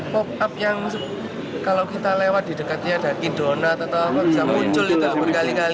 pop up yang kalau kita lewat di dekatnya ada indona atau apa bisa muncul